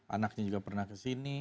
anaknya juga pernah ke sini